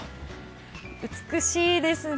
美しいですね。